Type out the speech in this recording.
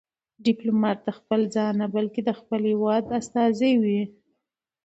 ډيپلومات خپل ځان نه، بلکې خپل د هېواد استازی وي.